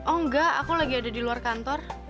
oh enggak aku lagi ada di luar kantor